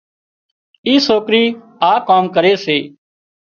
اي سوڪرِي آ ڪام ڪري سي